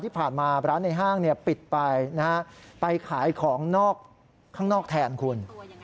ผ่านมาร้านในห้างปิดไปไปขายของข้างนอกแทนคุณ